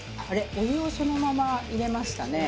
お湯をそのまま入れましたね。